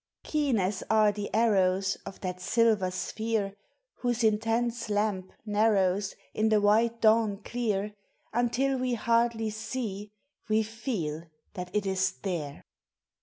Keen as are the arrows Of that silver sphere, 298 POEMS OF NATURE. Whose intense lamp narrows In the white dawn clear, Until we hardly see, we feel that it is there.